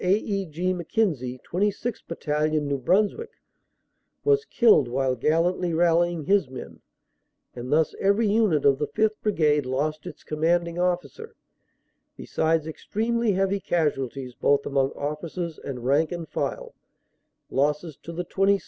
A. E. G. Mc Kenzie, 26th Battalion, New Brunswick, was killed while gallantly rallying his men, and thus every unit of the 5th. Brigade lost its commanding officer, besides extremely heavy casualties both among officers and rank and file, losses to the 26th.